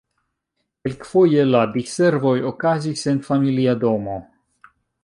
Kelkfoje la diservoj okazis en familia domo.